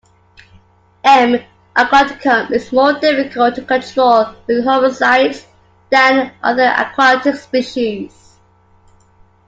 M. aquaticum is more difficult to control with herbicides than other aquatic species.